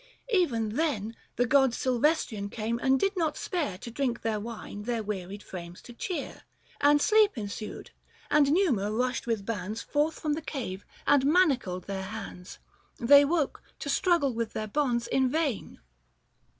Even then The gods silvestrian came, and did not spare To drink the wine their wearied frames to cheer ; 323 And sleep ensued ; and Numa rushed with bands Forth from the cave, and manacled their hands. They woke, to struggle with their bonds, in vain.